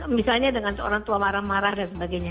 misalnya dengan seorang tua marah marah dan sebagainya